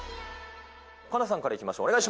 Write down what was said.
環奈さんからいきましょう。